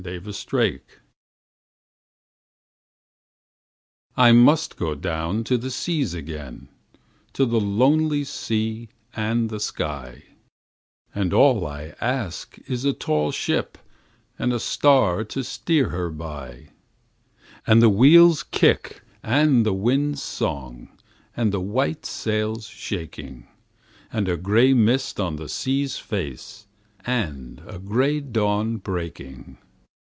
Y Z Sea Fever I MUST down to the seas again, to the lonely sea and the sky, And all I ask is a tall ship and a star to steer her by, And the wheel's kick and the wind's song and the white sail's shaking, And a gray mist on the sea's face, and a gray dawn breaking.